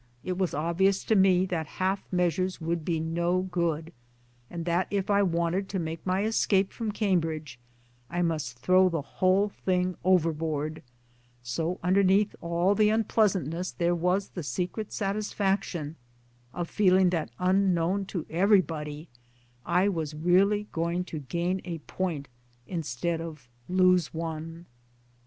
It was obvious to me that half measures would be no good, and that if I wanted to make my escape from Cambridge I must throw the whole thing over board ; so underneath all the unpleasantness there was the secret satisfaction of feeling that unknown to everybody I was really going to gain a point instead of lose one